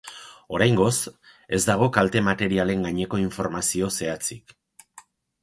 Oraingoz, ez dago kalte materialen gaineko informazio zehatzik.